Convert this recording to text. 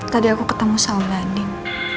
tadi aku ketemu saul dan andin